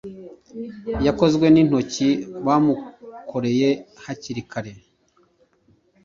Yakozwe nintoki bamukoreye hakiri kare